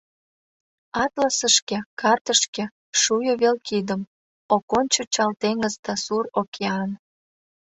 Атласышке, картышке шуйо вел кидым, Ок кончо чал теҥыз да сур океан.